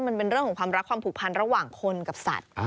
มันเป็นเรื่องของความรักความผูกพันระหว่างคนกับสัตว์